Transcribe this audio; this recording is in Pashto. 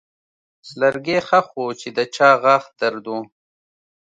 لرګی ښخ و چې د چا غاښ درد و.